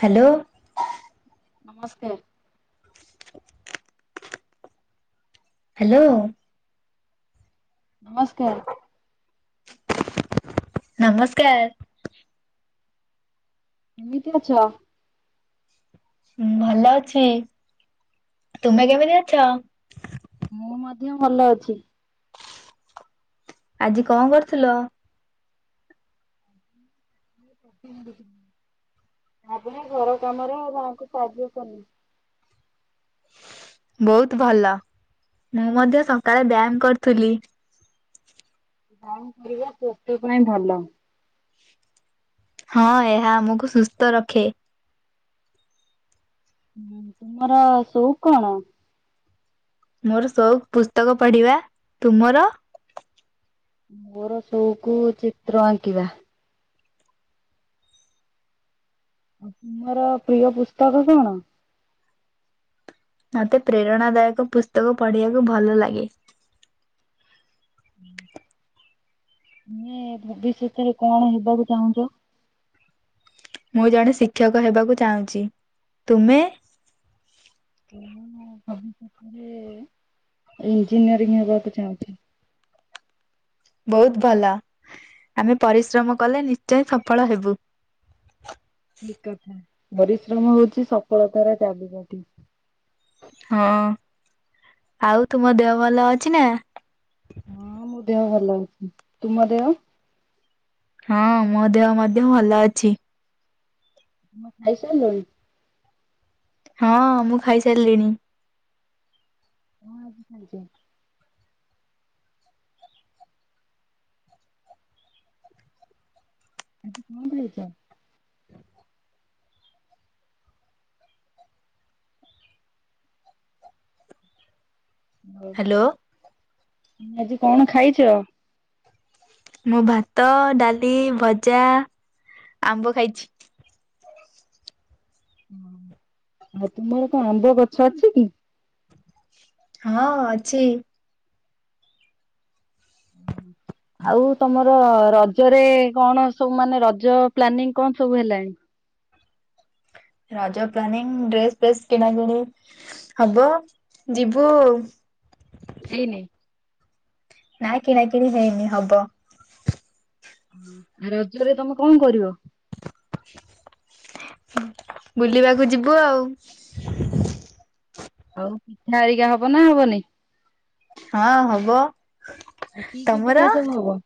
Hello. ନମସ୍କାର୍। Hello. ନମସ୍କାର। ନମସ୍କାର। କେମିତି ଅଛ? ମୁଁ ଭଲ ଅଛି। ତୁମେ କେମିତି ଅଛ? ମୁଁ ମଧ୍ୟ ଭଲ ଅଛି। ଆଜି କଣ କରୁଥିଲ? ଆଜି ମୁଁ ଘର କାମର ମା ଙ୍କୁ ସାହାଯ୍ୟ କଲି। ବହୁତ ଭଲ। ମୁଁ ମଧ୍ୟ ସକାଳେ ବ୍ୟାୟାମ କରୁଥିଲି। ବ୍ୟାୟାମ କରିବା ସ୍ବାସ୍ଥ୍ଯ ପାଇଁ ଭଲ। ହଁ ଏହା ଆମକୁ ସୁସ୍ଥ ରଖେ। ତୁମର ସଉକ୍ କଣ? ମୋର ସଉକ୍ ପୁସ୍ତକ ପଢିବା। ତୁମର? ମୋର ସଉକୁ ଚିତ୍ର ଆଙ୍କିବା। ତୁମର ପ୍ରିୟ ପୁସ୍ତକ କଣ? ମତେ ପ୍ରେରଣା ଦାୟକ ପୁସ୍ତକ ପଢିବାକୁ ଭଲ ଲାଗେ। ତୁମେ ଭବିଷ୍ୟତରେ କଣ ହେବାକୁ ଚାହୁଁଛ? ମୁଁ ଜଣେ ଶିକ୍ଷକ ହେବାକୁ ଚାହୁଁଛି, ତୁମେ? ମୁଁ ଭବିଷ୍ୟତରେ ଇଞ୍ଜିନିୟରିଂ ହେବାକୁ ଚାହୁଁଛି। ବହୁତ ଭଲ ଆମେ ପରିଶ୍ରମ କଲେ ନିଶ୍ଚୟ ସଫଳ ହେବୁ। ଠିକ କଥା ପରିଶ୍ରମ ହଉଛି ସଫଳତାର ଚାବିକାଠି। ହଁ, ଆଉ ତୁମ ଦେହ ଭଲ ଅଛି ନା? ହଁ ମୋ ଦେହ ଭଲ ଅଛି, ତୁମ ଦେହ? ହଁ ମୋ ଦେହ ମଧ୍ୟ ଭଲ ଅଛି। ତୁମେ ଖାଇ ସାଇଲଣି? ହଁ ମୁଁ ଖାଇସାରିଲିଣି। କଣ ଆଜି ଖାଇଚ? ଆଜି କଣ ଖାଇଛ? ହଉ, ହ୍ୟାଲୋ ତୁମେ ଆଜି କଣ ଖାଇଛ? ମୁଁ ଭାତ, ଡାଲି, ଭଜା, ଆମ୍ବ ଖାଇଛି। ଆଉ ତୁମର କଣ ଆମ୍ବ ଗଛ ଅଛି କି? ହଁ ଅଛି। ଓହୋ। ଆଉ ତମର ରଜରେ କଣ ସବୁ ମାନେ ରଜ ପ୍ଲାନିଂ କଣ ସବୁ ହେଲାଣି? ରଜ ପ୍ଲାନିଂ ଡ୍ରେସ୍ ପ୍ରେସ୍ କିଣା କିିଣି ହବ ଯିବୁ। ହେଇନି? ନା କିଣାକିଣି ହେଇନି ହବ। ଆ ରଜରେ ତମେ କଣ କରିବ? ବୁଲିବାକୁ ଯିବୁ ଆଉ। ଆଉ ପିଠା ଆରିକା ହବ ନା ହବନି? ହଁ ହବ। ଆଉ କି କି ପିଠା ତମର ସବୁ ହବ?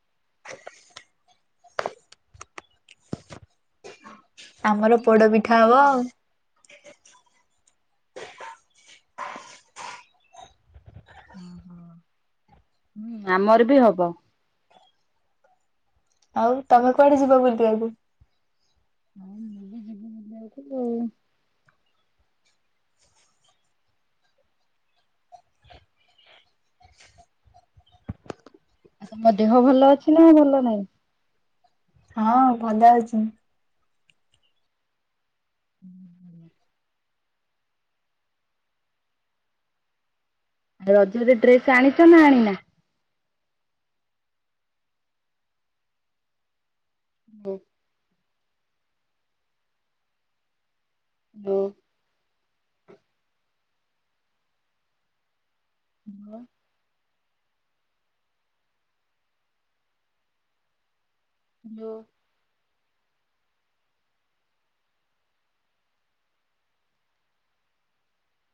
ଆମର କି କି ପିଠା ପୋଡ଼ପିଠା ସବୁ ହବ ଆଉ। ଓହୋ, ହୁଁ ଆମର ବି ହବ। ଆଉ ତମେ କୁଆଡେ ଯିବ ବୁଲିବାକୁ? [unintelligible] ଆଉ ତମ ଦେହ ଭଲ ଅଛି ନା ଭଲ ନାହିଁ? ହଁ ଭଲ ଅଛି। ହୁଁ ଭଲ। ଆଉ ରଜରେ ଡ୍ରେସ୍ ଆଣିଛ ନା ଆଣିନା? [inaudible] ହ୍ୟାଲେ। ହ୍ୟାଲୋ। ହାଲୋ।